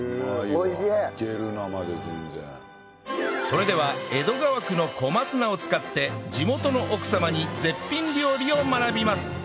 それでは江戸川区の小松菜を使って地元の奥様に絶品料理を学びます